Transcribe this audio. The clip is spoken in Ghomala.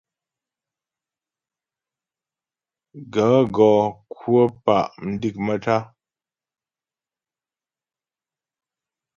Gàə́ gɔ kwə̂ pá' mdék maə́tá'a.